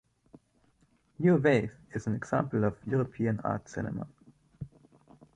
"New Wave" is an example of European art cinema.